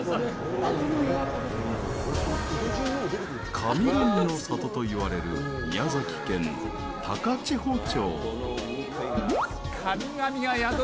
神々の里といわれる宮崎県高千穂町。